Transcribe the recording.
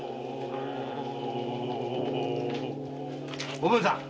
おぶんさん。